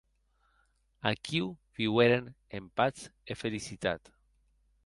Aquiu viueren en patz e felicitat.